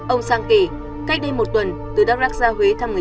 ông sang kể cách đây một tuần từ đắk rắc ra huế thăm người